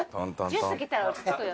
ジュース来たら落ち着くよ。